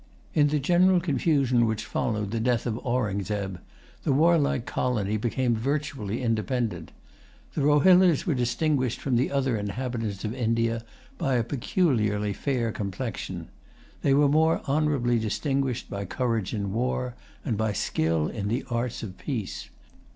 In the general confusion which followed the death of Aurungzebe, the warlike colony became virtually independent. The Rohillas were distinguished from the other inhabitants of India by a peculiarly fair complexion. They were more honorably distinguished by courage in war, and by skill in the arts of peace.